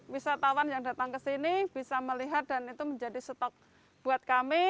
wisatawan yang datang ke sini bisa melihat dan itu menjadi stok buat kami